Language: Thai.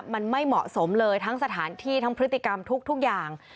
มันไม่เหมาะสมเลยทั้งสถานที่ทั้งพฤติกรรมทุกอย่าง